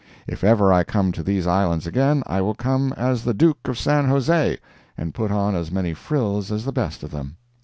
If ever I come to these islands again I will come as the Duke of San Jose, and put on as many frills as the best of them.